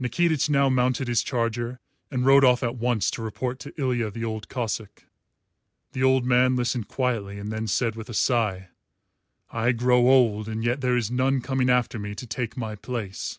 Nikitich now mounted his charger and rode off at once to report to Ilya the Old Cossáck. The old man listened quietly and then said with a sigh, "I grow old, and yet there is none coming after me to take my place."